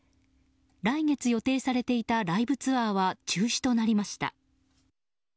来月予定されていたライブツアーは中止となりました。